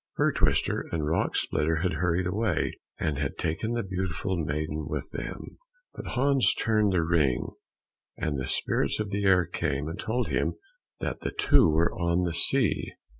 Fir twister and Rock splitter had hurried away, and had taken the beautiful maiden with them. But Hans turned the ring, and the spirits of the air came and told him that the two were on the sea.